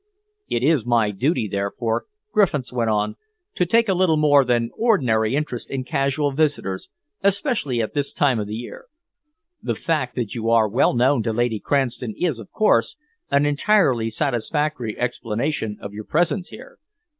"It is my duty, therefore," Griffiths went on, "to take a little more than ordinary interest in casual visitors, especially at this time of the year. The fact that you are well known to Lady Cranston is, of course, an entirely satisfactory explanation of your presence here.